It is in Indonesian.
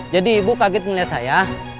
jadi ibu kaget melihat saya